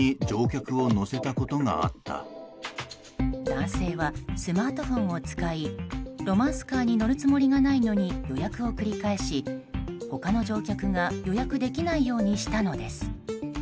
男性はスマートフォンを使いロマンスカーに乗るつもりがないのに予約を繰り返し、他の乗客が予約できないようにしたのです。